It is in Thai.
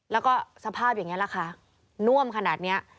แล้วก็สภาพอย่างนี้แหละค่ะน่วมขนาดนี้